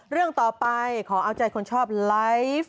เรื่องต่อไปขอเอาใจคนชอบไลฟ์